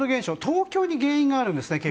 東京に原因があるんですね。